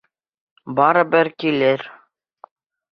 Барыбер килер!